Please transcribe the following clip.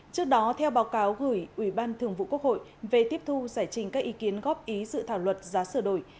trước đó theo báo cáo gửi ủy ban thường vụ quốc hội về tiếp thu giải trình các ý kiến góp ý dự thảo luật giá sửa đổi